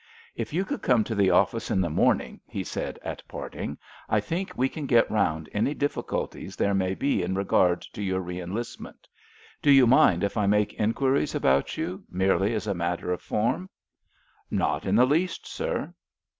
"If you could come to the office in the morning," he said at parting, "I think we can get round any difficulties there may be in regard to your re enlistment. Do you mind if I make inquiries about you, merely as a matter of form?" "Not in the least, sir."